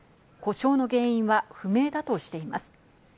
故障の原因は不明だとしています。